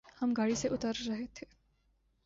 ہم گاڑی سے اتر رہ تھے